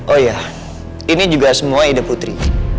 oh iya ini juga semua ide putri